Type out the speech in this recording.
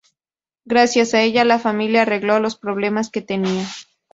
Gracias a ella la familia arregló los problemas que tenía.